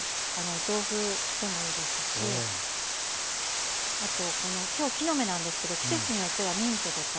お豆腐でもいいですしあと今日木の芽なんですけど季節によってはミントとか。